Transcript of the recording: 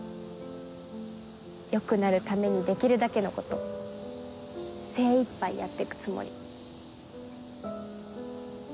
良くなるためにできるだけのこと精いっぱいやってくつもり。